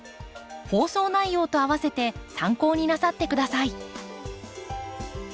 放送内容と併せて参考になさってください。